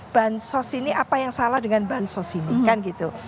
bansos ini apa yang salah dengan bansos ini kan gitu